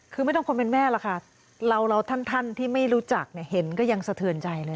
คือไม่ต้องคนเป็นแม่หรอกค่ะเราท่านที่ไม่รู้จักเนี่ยเห็นก็ยังสะเทือนใจเลย